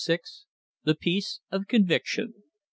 THE PIECE OF CONVICTION.